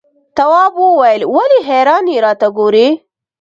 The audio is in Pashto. تواب وويل: ولې حیرانې راته ګوري؟